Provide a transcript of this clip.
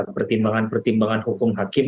pertimbangan pertimbangan hukum hakim